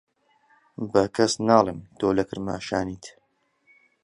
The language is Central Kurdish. بە کەس ناڵێم تۆ لە کرماشانیت.